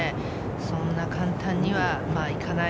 そんな簡単にはいかない。